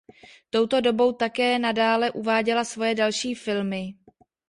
Touto dobou také nadále uváděla svoje další filmy.